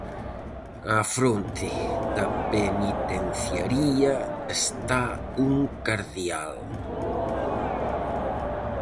Á fronte da penitenciaría está un cardeal.